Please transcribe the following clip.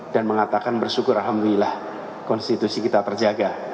dan mengatakan bersyukur alhamdulillah konstitusi kita terjaga